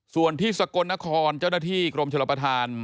ส่วนที่สกลนครเจ้าหน้าที่กรมชลประธาน